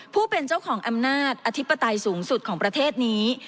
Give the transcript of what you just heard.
ผู้เป็นเจ้าของอำนาจอธิปไตยสูงสุดของประเทศนี้